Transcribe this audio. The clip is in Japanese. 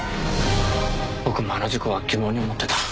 「僕もあの事故は疑問に思ってた」